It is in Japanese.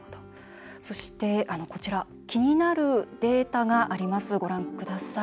そして気になるデータがあります、ご覧ください。